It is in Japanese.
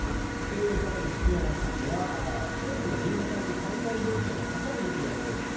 更に福山さんは政府の分科会に開催条件を諮るべきではないですか。